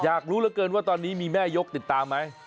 อยากรู้เหลือเกินว่าตอนนี้มีแม่ยกติดตามไหม